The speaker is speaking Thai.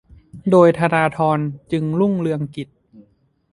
โดยธนาธร จึงรุ่งเรืองกิจ